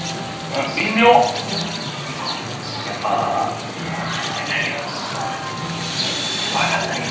やっぱあの２人は分かんないよ